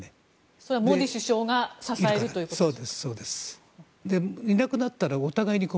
それはモディ首相が支えるということで。